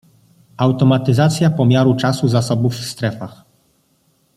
Automatyzacja pomiaru czasu zasobów w strefach